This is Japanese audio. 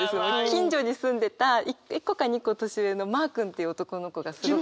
近所に住んでた１個か２個年上のマー君っていう男の子がすごく。